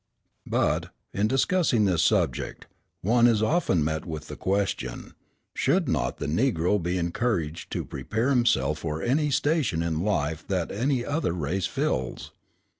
But, in discussing this subject, one is often met with the question, Should not the Negro be encouraged to prepare himself for any station in life that any other race fills?